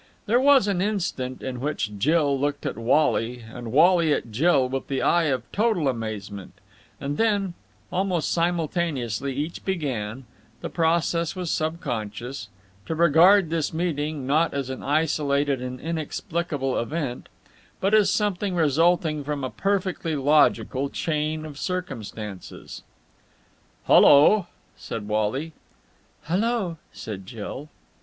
There was an instant in which Jill looked at Wally and Wally at Jill with the eye of total amazement, and then, almost simultaneously, each began the process was subconscious to regard this meeting not as an isolated and inexplicable event, but as something resulting from a perfectly logical chain of circumstances. "Hullo!" said Wally. "Hullo!" said Jill.